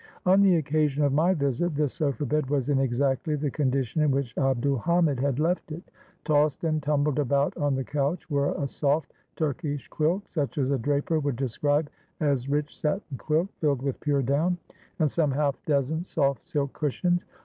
On the occasion of my visit, this sofa bed was in exactly the condition in which Abd ul Hamid had left it. Tossed and tumbled about on the couch were a soft Turkish quilt, such as a draper would describe as "rich satin quilt, filled with pure down," and some half dozen soft silk cushions.